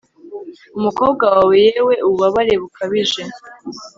umukobwa wawe, yewe ububabare bukabije